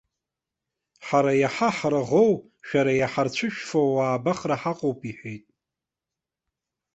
Ҳара иаҳа ҳраӷоу, шәара иаҳа рцәышәфауоу аабахра ҳаҟоуп иҳәеит.